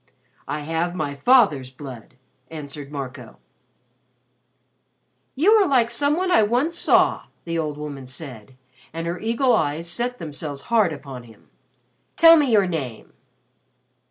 "I have my father's blood," answered Marco. "You are like some one I once saw," the old woman said, and her eagle eyes set themselves hard upon him. "Tell me your name."